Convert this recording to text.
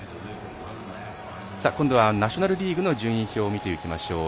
今度はナショナルリーグの順位表見ていきましょう。